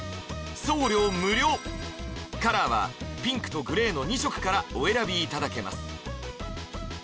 送料無料カラーはピンクとグレーの２色からお選びいただけます